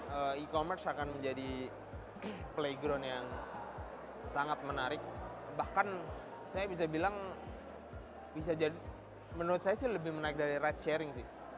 e commerce akan menjadi playground yang sangat menarik bahkan saya bisa bilang bisa jadi menurut saya sih lebih menarik dari ride sharing sih